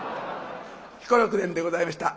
「彦六伝」でございました。